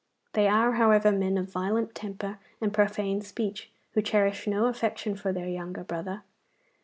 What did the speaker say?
They are, however, men of violent temper and profane speech, who cherish no affection for their younger brother.